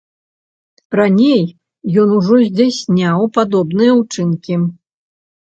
Раней ён ужо здзяйсняў падобныя ўчынкі.